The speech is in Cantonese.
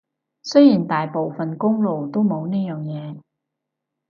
雖然大部分公路都冇呢樣嘢